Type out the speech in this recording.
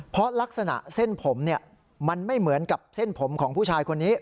เพราะลักษณะเส้นผมมันไม่เหมือนกับเส้นผมของผู้ชายคนนี้